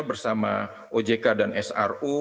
bersama ojk dan sru